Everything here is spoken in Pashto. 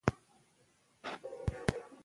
محمد نبي یو تجربه لرونکی لوبغاړی دئ.